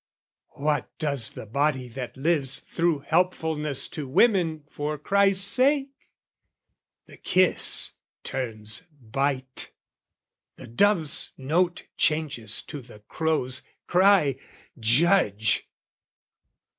What does the body that lives through helpfulness To women for Christ's sake? The kiss turns bite, The dove's note changes to the crow's cry: judge!